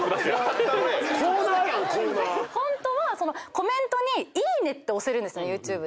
ホントはコメントにいいねって押せるんですＹｏｕＴｕｂｅ。